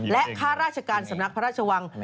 และข้าราชการสำนักพระราชวัง